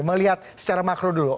melihat secara makro dulu